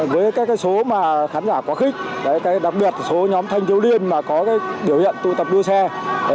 với các số mà khán giả quá khích đặc biệt số nhóm thanh thiếu niên mà có biểu hiện tụ tập đua xe